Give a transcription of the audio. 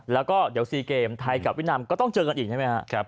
แล้วก็เดี๋ยว๔เกมไทยกับเวียดนามก็ต้องเจอกันอีกใช่ไหมครับ